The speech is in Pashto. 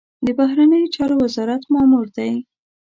د بهرنیو چارو وزارت مامور دی.